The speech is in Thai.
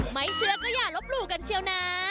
ไม่เชื่อก็อย่าลบหลู่กันเชียวนะ